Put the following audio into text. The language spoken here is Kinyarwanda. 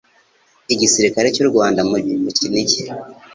igisirikare cy'u Rwanda mu Kinigi,